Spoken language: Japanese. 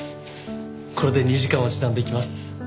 これで２時間は時短できます。